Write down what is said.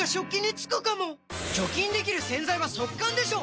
除菌できる洗剤は速乾でしょ！